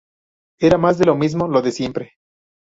Era más de lo mismo, lo de siempre